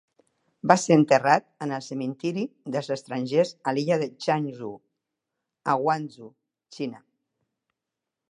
Va ser enterrat en el cementiri dels estrangers a l'illa de Changzhou, a Guangzhou, Xina.